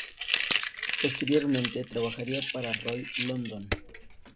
Posteriormente trabajaría para Roy London.